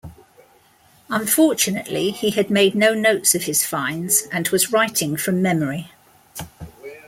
Unfortunately he had made no notes of his finds and was writing from memory.